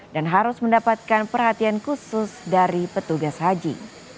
dan harus mendapatkan perhatian khusus dari petugas haji